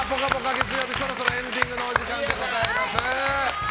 月曜日そろそろエンディングのお時間でございます。